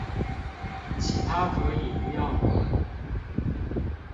其他可以不要管